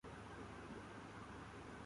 اب اتنے نہیں۔